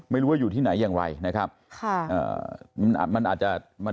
ไม่รู้ว่าอยู่ที่ไหนอย่างไรนะครับ